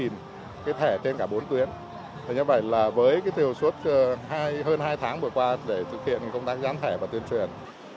như vậy là với thiều suốt hơn hai tháng vừa qua để thực hiện công tác gián thẻ và tuyên truyền